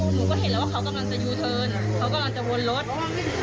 หนูก็เห็นแล้วว่าเขากำลังจะยูเทิร์นเขากำลังจะวนรถ